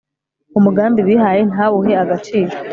umugambi bihaye ntawuhe agaciro